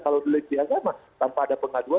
kalau delik biasa mah tanpa ada pengaduan